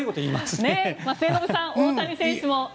末延さん、大谷選手も。